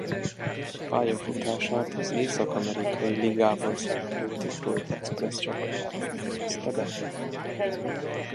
Pályafutását az észak-amerikai ligában szereplő Detroit Express csapatában fejezte be.